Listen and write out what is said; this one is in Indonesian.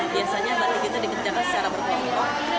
biasanya batik itu dikerjakan secara berkumpul